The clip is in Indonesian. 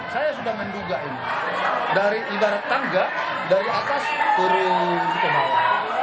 saya sudah menduga ini dari ibarat tangga dari atas turun ke bawah